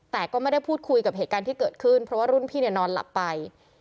แต่ก็ไม่ได้พูดคุยกับเหตุการณ์ที่เกิดขึ้นเพราะว่ารุ่นพี่เนี่ยนอนหลับไป